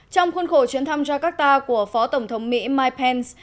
trong khuôn khổ chuyến thăm jakarta của phó tổng thống mỹ mike pence